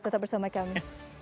tetap bersama kami